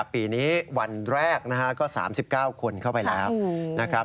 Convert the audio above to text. ปีนี้วันแรกก็๓๙คนเข้าไปแล้ว